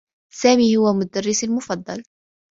سامي هو مدرّسي المفضّل.